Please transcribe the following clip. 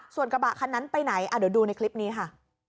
ส่วนกระบะคันนั้นไปไหนเดี๋ยวดูในคลิปนี้ค่ะ